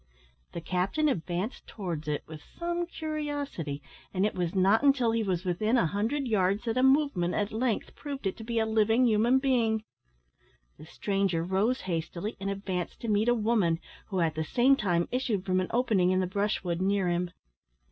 The captain advanced towards it with some curiosity, and it was not until he was within a hundred yards that a movement at length proved it to be a living human being. The stranger rose hastily, and advanced to meet a woman, who at the same moment issued from an opening in the brushwood near him.